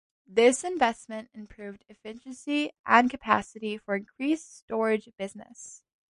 This investment improved efficiency and capacity for increased storage business.